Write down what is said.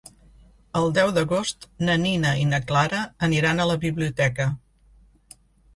El deu d'agost na Nina i na Clara aniran a la biblioteca.